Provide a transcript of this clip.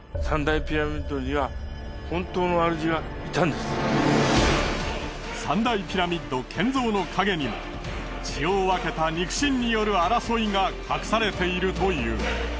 実は三大ピラミッド建造の陰にも血を分けた肉親による争いが隠されているという。